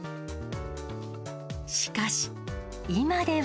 しかし、今では。